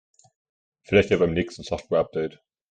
Vielleicht ja beim nächsten Softwareupdate.